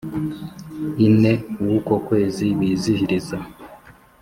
ine w uko kwezi bizihiriza